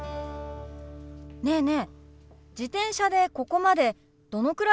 ねえねえ